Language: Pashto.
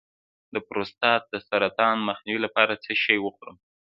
د پروستات د سرطان مخنیوي لپاره څه شی وخورم؟